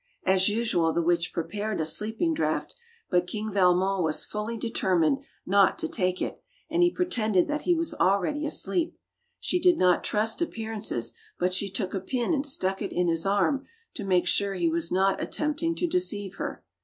As usual the witch prepared a sleeping draught, but King Valmon was fully deter mined not to take it, and he pretended that he was already asleep. She did not trust ap pearances, but she took a pin and stuck it in his arm to make sure he was not attempt ing to deceive her.